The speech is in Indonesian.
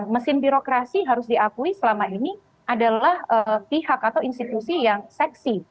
mesin birokrasi harus diakui selama ini adalah pihak atau institusi yang seksi